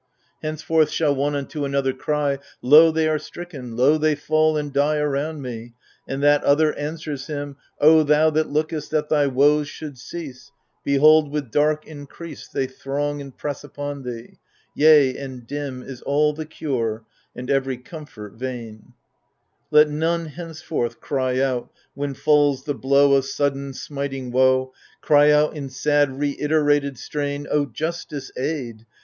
Henceforth shall one unto another cry Loy they are stricken^ lOy t key fall and die Around me / and that other answers him, thou that lookest that thy woes should cease^ Behold, with dark increase They throng and press upon thee; yea, and dim Is all the cure, and every comfort vain / Let none henceforth cry out, when falls the blow Of sudden smiting woe, Cry out in sad reiterated strain O Justice, aid!